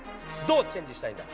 どうチェンジしたいんだ。